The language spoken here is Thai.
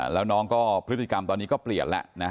แล้วน้องก็พฤติกรรมตอนนี้ก็เปลี่ยนแล้วนะ